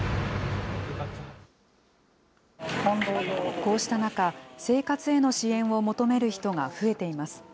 こうした中、生活への支援を求める人が増えています。